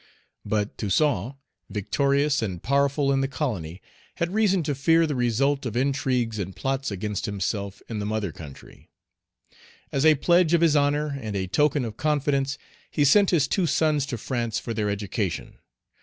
But Toussaint, victorious and powerful in the colony, had reason to fear the result of intrigues and plots against himself in the mother country. As a pledge of his honor and a token of confidence, he sent his two sons to France for their education.